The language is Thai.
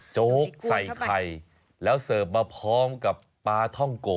โจ๊กใส่ไข่แล้วเสิร์ฟมาพร้อมกับปลาท่องโก